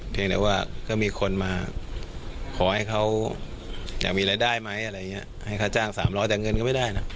เพียงแต่ว่าก็มีคนมาขอให้เขาอยากมีรายได้ไหมอะไรอย่างนี้ให้ค่าจ้าง๓๐๐แต่เงินก็ไม่ได้นะ